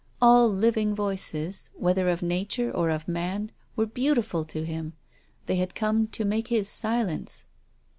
All living voices, whether of Nature or of man, were beautiful to him, they had come to make his silence.